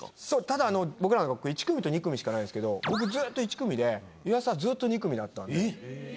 ただ僕らの学校１組と２組しかないんですけど僕ずっと１組で岩沢ずっと２組だったんで。